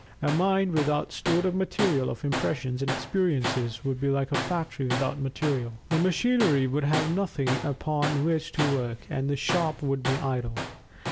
A mind without stored up material of impressions and experiences would be like a factory without material. The machinery would have nothing upon which to work, and the shop would be idle.